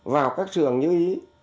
vào các trường như ý